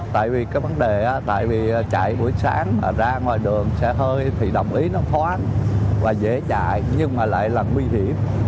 tại vì cái vấn đề tại vì chạy buổi sáng ra ngoài đường xe hơi thì đồng ý nó thoáng và dễ chạy nhưng mà lại là nguy hiểm